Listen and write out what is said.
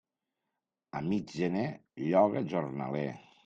A mig gener lloga jornaler.